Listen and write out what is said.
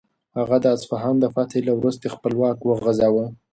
هغه د اصفهان له فتحې وروسته خپل واک وغځاوه.